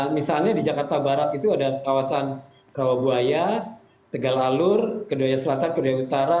misalnya di jakarta barat itu ada kawasan rawa buaya tegal alur kedoya selatan kedoya utara